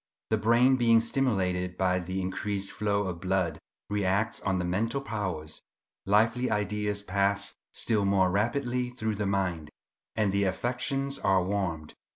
The brain, being stimulated by the increased flow of blood, reacts on the mental powers; lively ideas pass still more rapidly through the mind, and the affections are warmed.